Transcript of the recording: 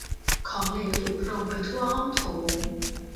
ของเหลวถูกพรมไปทั่วห้องโถง